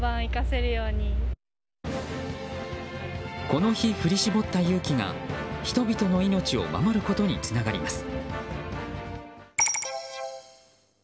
この日振り絞った勇気が人々の命を守ることにつながります。